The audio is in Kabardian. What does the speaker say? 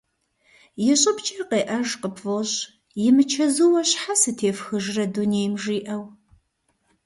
И щӏыбкӏэ къеӏэж къыпфӏощӏ «имычэзууэ щхьэ сытефхыжрэ дунейм?» жиӏэу.